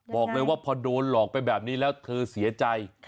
บอกเลยว่าพอโดนหลอกไปแบบนี้แล้วเธอเสียใจ